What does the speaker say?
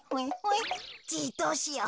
じいどうしよう。